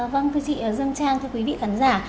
vâng thưa chị dương trang thưa quý vị khán giả